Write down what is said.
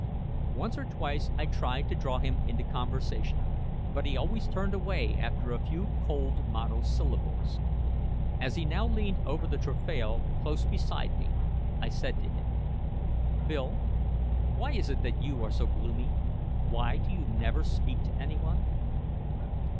Once or twice I tried to draw him into conversation, but he always turned away after a few cold monosyllables. As he now leaned over the taffrail, close beside me, I said to him: "Bill, why is it that you are so gloomy? Why do you never speak to any one?"